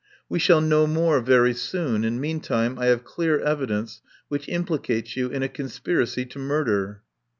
We shall know more very soon, and meantime I have clear evidence which implicates you in a conspiracy to murder."